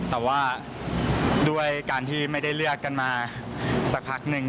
แต่ว่าด้วยการที่ไม่ได้เลือกกันมาสักพักหนึ่ง